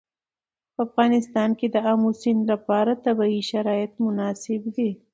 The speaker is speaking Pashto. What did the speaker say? په افغانستان کې د آمو سیند لپاره طبیعي شرایط مناسب دي.